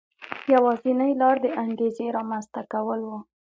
یوازینۍ لار د انګېزې رامنځته کول و.